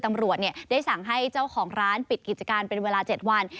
ตำรวจได้สั่งให้เจ้าของร้านปิดกิจการเป็นเวลา๗วัน